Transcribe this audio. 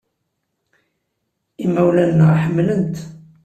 Imawlan-nneɣ ḥemmlen-t.